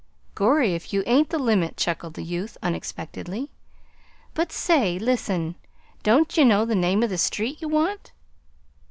"Gorry! if you ain't the limit," chuckled the youth, unexpectedly. "But, say, listen! Don't ye know the name of the street ye want?"